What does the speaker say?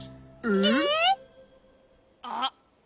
えっ？あっ。